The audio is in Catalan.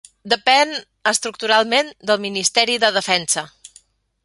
Depèn estructuralment del Ministeri de Defensa.